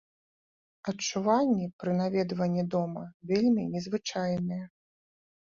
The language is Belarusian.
Адчуванні пры наведванні дома вельмі незвычайныя.